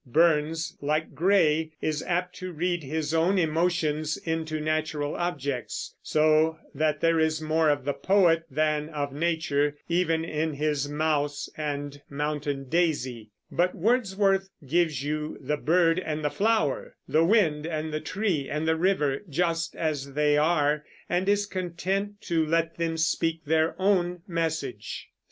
Burns, like Gray, is apt to read his own emotions into natural objects, so that there is more of the poet than of nature even in his mouse and mountain daisy; but Wordsworth gives you the bird and the flower, the wind and the tree and the river, just as they are, and is content to let them speak their own message.